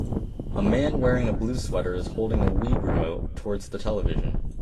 A man wearing a blue sweater is holding a Wii remote towards the television